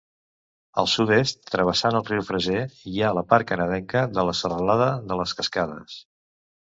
Al sud-est travessant el riu Fraser hi ha la part canadenca de la serralada de les Cascades.